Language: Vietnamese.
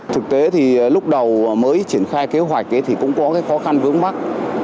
thực tế thì lúc đầu mới triển khai kế hoạch thì cũng có cái khó khăn vướng mắt